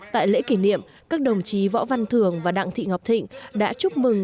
tại lễ kỷ niệm các đồng chí võ văn thường và đặng thị ngọc thịnh đã chúc mừng